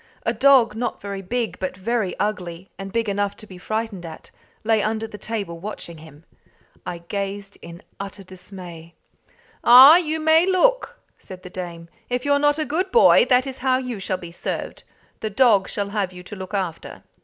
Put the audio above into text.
a dog, not very big but very ugly, and big enough to be frightened at, lay under the table watching him. I gazed in utter dismay. "Ah, you may look!" said the dame. "If you're not a good boy, that is how you shall be served. The dog shall have you to look after."